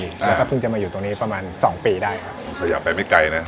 แล้วก็เพิ่งจะมาอยู่ตรงนี้ประมาณสองปีได้ครับขยับไปไม่ไกลนะ